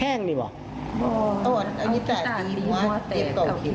ท้องมาน่ากล่าวครับ